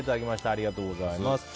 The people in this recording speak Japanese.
ありがとうございます。